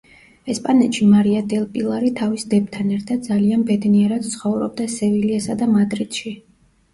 ესპანეთში მარია დელ პილარი თავის დებთან ერთად ძალიან ბედნიერად ცხოვრობდა სევილიასა და მადრიდში.